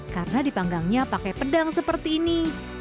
karena dipanggangnya pakai pedang seperti ini